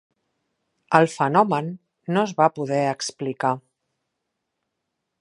El fenomen no es va poder explicar.